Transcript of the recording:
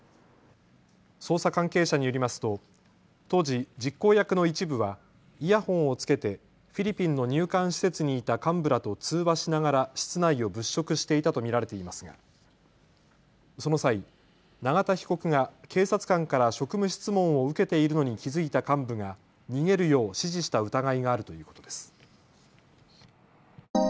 捜査関係者によりますと当時、実行役の一部はイヤホンをつけてフィリピンの入管施設にいた幹部らと通話しながら室内を物色していたと見られていますがその際、永田被告が警察官から職務質問を受けているのに気付いた幹部が逃げるよう指示した疑いがあるということです。